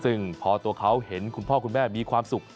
ซึ่งพอตัวเขาเห็นคุณพ่อคุณแม่มีความสุข